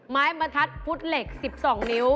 ไม้บรรทัดพุทธเหล็ก๑๒นิ้ว